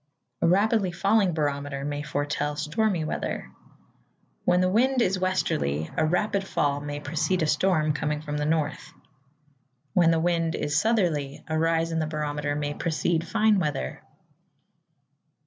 A rapidly falling barometer may foretell stormy weather. When the wind is westerly, a rapid fall may precede a storm coming from the north. When the wind is southerly, a rise in the barometer may precede fine weather.